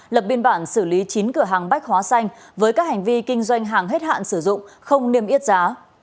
lập biên bản xử lý chín cửa hàng bách hóa xanh với các hành vi kinh doanh hàng hết hạn sử dụng không niêm yết giá